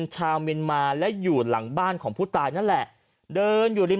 ชาวเมียนมาและอยู่หลังบ้านของผู้ตายนั่นแหละเดินอยู่ริม